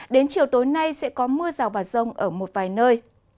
đến chiều tối nay sẽ có mưa rào và rông ở một vài nơi